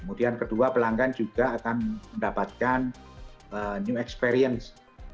kemudian kedua pelanggan juga akan mendapatkan new experience